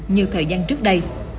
như thời gian trước đây